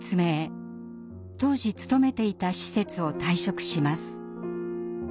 当時勤めていた施設を退職します。